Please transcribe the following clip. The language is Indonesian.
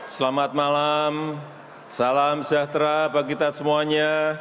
selamat malam salam sejahtera bagi kita semuanya